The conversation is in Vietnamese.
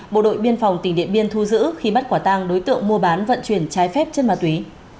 bộ đội biên phòng tỉnh điện biên thu giữ khi bắt quả tang đối tượng mua bán vận chuyển trái phép chất ma túy